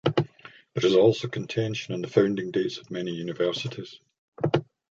There is also contention on the founding dates of many universities.